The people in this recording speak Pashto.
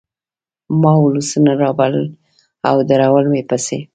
ما ولسونه رابلل او درول مې پسې